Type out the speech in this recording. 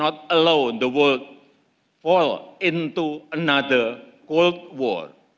kita tidak harus membiarkan dunia jatuh ke dalam perang panas lainnya